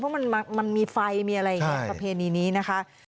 เพราะมันมีไฟมีอะไรแบบนี้นะคะ